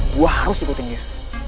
gue harus ikutin dia